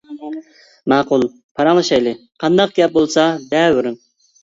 -ماقۇل پاراڭلىشايلى، قانداق گەپ بولسا دەۋېرىڭ.